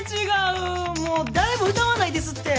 もう誰も歌わないですって！